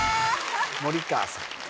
「森川さん」